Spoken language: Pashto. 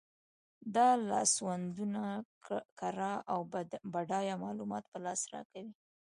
دا لاسوندونه کره او بډایه معلومات په لاس راکوي.